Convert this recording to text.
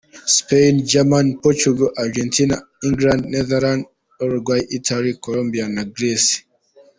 Spain, Germany, Portugal, Argentina, England, Netherland, Urguay, Italy, Colombia na Grecce.